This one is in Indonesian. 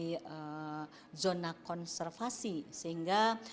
kawasan konservasi pemerintah kepala komunikasi jawa barat dan kemudian pemerintah kabupaten indramayu